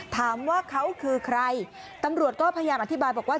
ถามว่าเขาคือใครตำรวจก็พยายามอธิบายบอกว่า